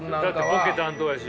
ボケ担当やし。